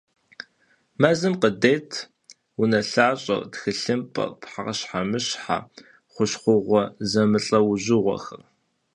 Мэзым къыдет унэлъащӀэр, тхылъымпӀэр, пхъэщхьэмыщхьэ, хущхъуэгъуэ зэмылӀэужьыгъуэхэр.